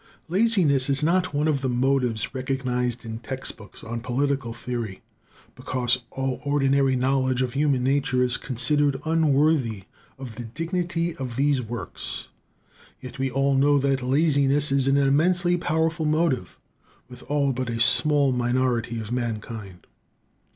Laziness is not one of the motives recognized in textbooks on political theory, because all ordinary knowledge of human nature is considered unworthy of the dignity of these works; yet we all know that laziness is an immensely powerful motive with all but a small minority of mankind.